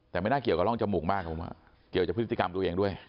แต่ไม่น่าเกี่ยวกับร่องจมูกมากผมเกี่ยวกับพฤติกรรมตัวเองด้วย